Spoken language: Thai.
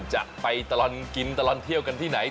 จะไปตลอดกินตลอดเที่ยวกันที่ไหน